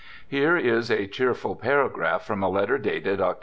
Here is a cheery paragraph from a letter dated Oct.